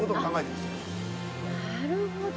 なるほど。